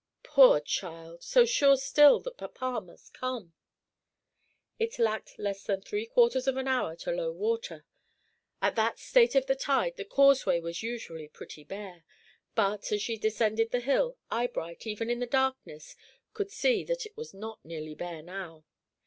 Poor child, so sure still that papa must come! It lacked less than three quarters of an hour to low water. At that state of the tide the causeway was usually pretty bare; but, as she descended the hill, Eyebright, even in the darkness, could see that it was not nearly bare now.